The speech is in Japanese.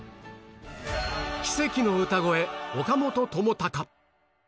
奇跡の歌声、岡本知高。